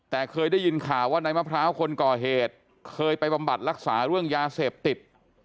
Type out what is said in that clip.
แต่เคยได้ยินข่าวว่านายมะพร้าวคนก่อเหตุเคยไปบำบัดรักษาเรื่องยาเสพติด